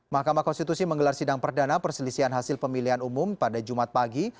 mahkamah konstitusi menggelar sidang perdana perselisihan hasil pemilihan umum pada jumat pagi